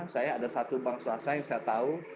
saya ada satu bank swasta yang saya tahu